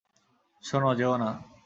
শোনো, যেও না।